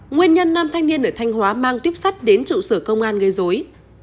nguyên nhân nam thanh niên ở thanh hóa mang tuyếp sắt đến trụ sở công an gây dối